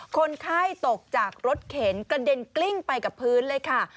คนไข้ตกจากรถเข็นกระเด็นกลิ้งไปกับพื้นเลยค่ะ